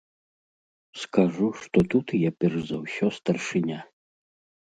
Скажу, што тут я перш за ўсё старшыня.